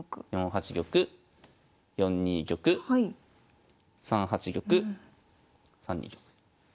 ４八玉４二玉３八玉３二玉。